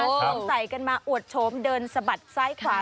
ตรงใส่กันมาอวดโฉมเดินสะบัดซ้ายขวา